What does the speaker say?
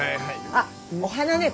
あっお花ね